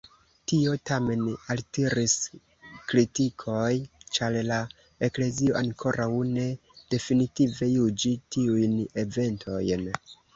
Tio, tamen, altiris kritikoj ĉar la eklezio ankoraŭ ne definitive juĝi tiujn eventojn.